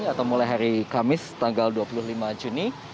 atau mulai hari kamis tanggal dua puluh lima juni